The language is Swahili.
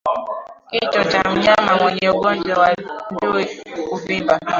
Kichwa cha mnyama mwenye ugonjwa wa ndui huvimba